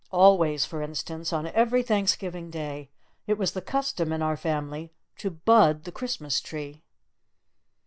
Always, for instance, on every Thanksgiving Day it was the custom in our family to bud the Christmas tree.